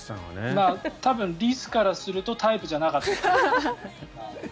多分、リスからするとタイプじゃなかったんでしょうね。